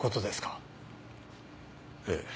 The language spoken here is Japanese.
ええ。